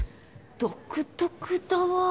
独特だわあ